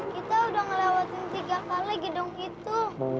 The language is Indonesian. kita udah ngelewatin tiga kali gedung itu